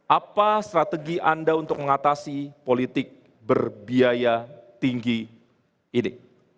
apa strategi anda untuk mengatasi politik berbiaya tinggi ini